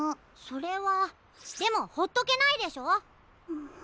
それはでもほっとけないでしょ！